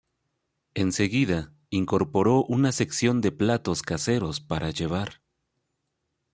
Enseguida incorporó una sección de platos caseros para llevar.